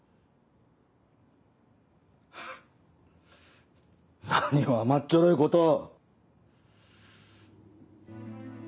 はっ何を甘っちょろいことを。